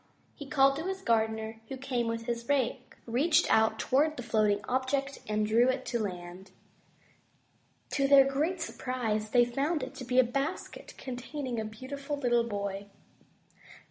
He called to the gardener, who came with his rake, 57 MY BOOK HOUSE reached out toward the floating object, and drew it to land. To their great surprise they found it to be a basket containing a beautiful little boy.